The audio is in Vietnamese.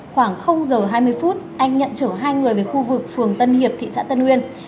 khoảng giờ hai mươi phút anh nhận chở hai người về khu vực phường tân hiệp thị xã tân uyên